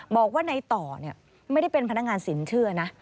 บอกว่าในต่อไม่ได้เป็นพนักงานสินเชื่อนะ